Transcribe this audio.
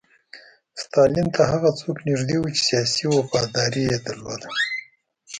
ستالین ته هغه څوک نږدې وو چې سیاسي وفاداري یې درلوده